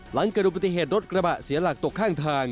หลังเกิดอุบัติเหตุรถกระบะเสียหลักตกข้างทาง